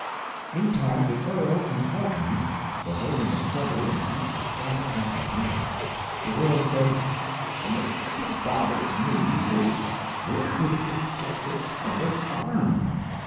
Meantime the earl and Hawkins were holding a troubled and anxious private consultation. The earl said: "The mystery that bothers me, is, where did It get its other arm?"